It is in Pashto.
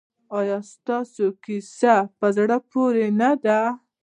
ایا ستاسو کیسې په زړه پورې نه دي؟